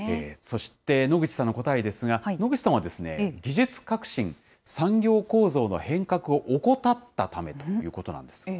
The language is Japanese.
そして、野口さんの答えですが、野口さんは、技術革新・産業構造の変革を怠ったためということなんです。